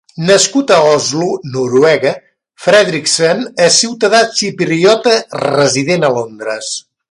Nascut a Oslo, Noruega, Fredriksen és ciutadà xipriota resident a Londres.